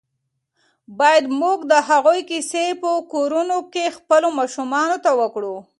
باید موږ د هغوی کیسې په کورونو کې خپلو ماشومانو ته وکړو.